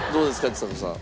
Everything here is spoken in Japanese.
ちさ子さん。